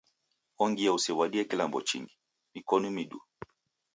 Ongia usew'adie kilambo chingi, mikonu miduu.